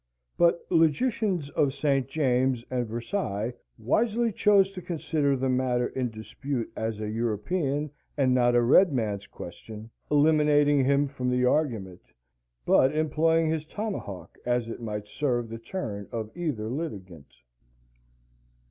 But the logicians of St. James's and Versailles wisely chose to consider the matter in dispute as a European and not a Red man's question, eliminating him from the argument, but employing his tomahawk as it might serve the turn of either litigant.